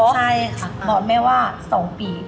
ใช่ค่ะบอกแม่ว่า๒ปี